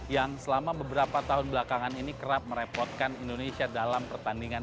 yang selama beberapa tahun belakangan ini kerap merepotkan indonesia dalam pertandingan